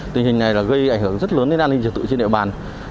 tình hình này là gây ảnh hưởng rất lớn đến an ninh trật tự trên địa bàn